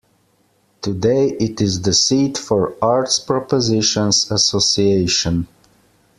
Today it is the seat for Arts propositions Association.